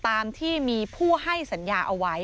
ตามที่มีผู้ให้สัญญาเอาไว้